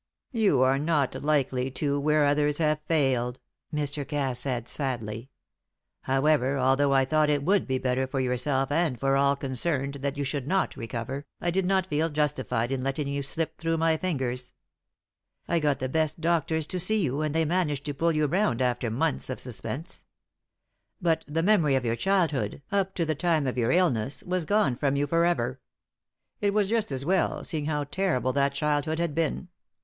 "You are not likely to where others have failed," Mr. Cass said, sadly. "However, although I thought it would better for yourself and for all concerned that you should not recover, I did not feel justified in letting you slip through my fingers. I got the best doctors to see you, and they managed to pull you round after months of suspense. But the memory of your childhood, up to the time of your illness, was gone from you for ever. It was just as well, seeing how terrible that childhood had been.